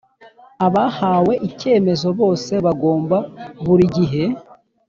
Abahawe icyemezo bose bagomba buri gihe